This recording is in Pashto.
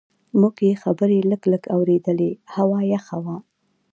موږ یې خبرې لږ لږ اورېدلې، هوا یخه وه.